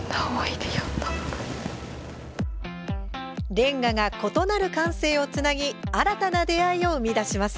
連歌が異なる感性をつなぎ新たな出会いを生み出します。